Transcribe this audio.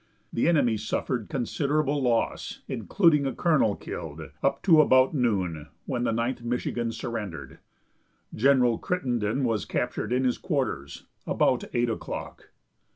The enemy suffered considerable loss, including a colonel killed, up to about noon, when the Ninth Michigan surrendered. General Crittenden was captured in his quarters, about eight o'clock.